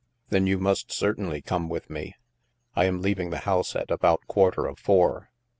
" Then you must certainly come with me. I am leaving the house at about quarter of four.'